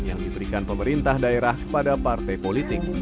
yang diberikan pemerintah daerah pada partai politik